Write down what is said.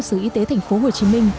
xin cảm ơn